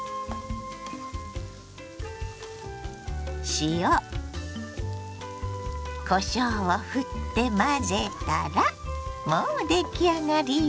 塩こしょうをふって混ぜたらもう出来上がりよ。